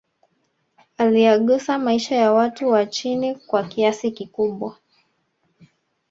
Aliyagusa maisha ya watu wa chini kwa kiasi kikubwa